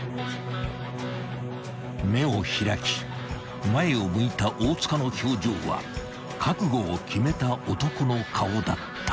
［目を開き前を向いた大塚の表情は覚悟を決めた男の顔だった］